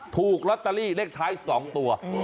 ถูกลอตเตอรี่เลขท้าย๒ตัว